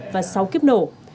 và sáu kiếp nổ